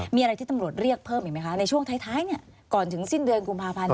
มีอะไรที่ตำรวจเรียกเพิ่มอีกไหมคะในช่วงท้ายก่อนถึงสิ้นเดือนกุมภาพันธ์